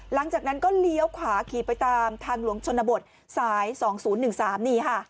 หลังจากนั้นก็เลี้ยวขวาขี่ไปตามทางหลวงชนบทสาย๒๐๑๓นี่ค่ะ